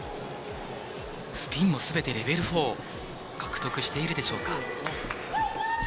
スピンもすべてレベル４獲得しているでしょうか。